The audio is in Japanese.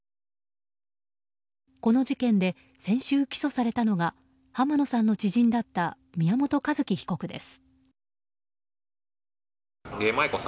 この事件で先週起訴されたのが濱野さんの知人だった宮本一希被告です。